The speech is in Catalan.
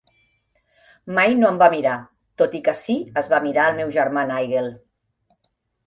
Mai no em va mirar, tot i que sí es va mirar el meu germà Nigel.